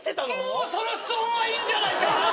もうその質問はいいんじゃないか？